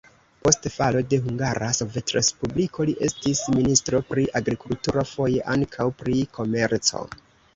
Post falo de Hungara Sovetrespubliko li estis ministro pri agrikulturo, foje ankaŭ pri komerco.